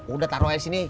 udah taruh air sini